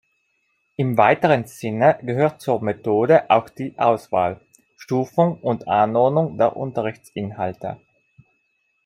Im weiteren Sinne gehört zur „Methode“ auch die "Auswahl, Stufung und Anordnung der Unterrichtsinhalte".